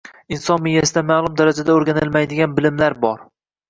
Inson miyasida ma’lum darajada o’rganilmaydigan bilimlar bor.